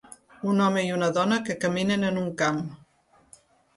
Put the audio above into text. Un home i una dona que caminen en un camp